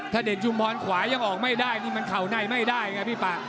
ถ้าเดชชุมพรขวายังออกไม่ได้นี่มันเข่าในไม่ได้ไงพี่ปะ